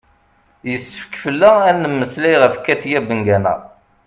yessefk fell-aɣ ad d-nemmeslay ɣef katia bengana